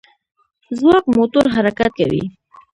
ځواک موټور حرکت کوي.